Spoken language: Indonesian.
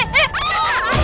ih ih ih jatah kali